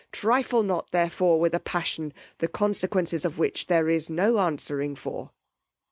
Trifle not therefore with a passion, the consequences of which there is no answering for.